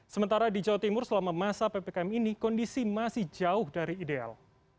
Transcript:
sementara di jawa timur selama masa ppkm ini kondisi masih jauh dari ideal